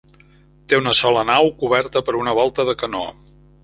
Té una sola nau, coberta per una volta de canó.